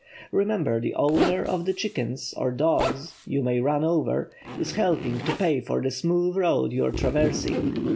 Remember the owner of the chickens or dogs you may run over is helping to pay for the smooth road you are traversing.